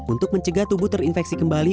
untuk mencegah tubuh terinfeksi kembali